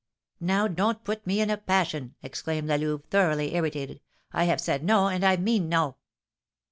"Now, don't put me in a passion," exclaimed La Louve, thoroughly irritated. "I have said no, and I mean no."